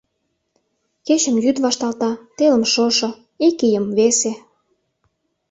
Кечым йӱд вашталта, телым — шошо, ик ийым — весе.